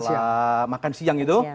setelah makan siang gitu